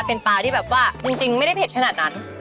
เป็นปลาที่แบบว่าจริงไม่ได้เผ็ดขนาดนั้น